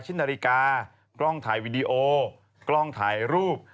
นาฬิกากล้องถ่ายวีดีโอกล้องถ่ายรูป